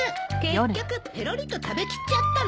結局ぺろりと食べきっちゃったのよ。